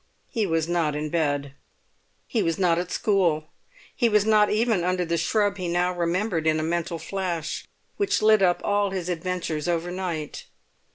He was not in bed. He was not at school. He was not even under the shrub he now remembered in a mental flash which lit up all his adventures overnight.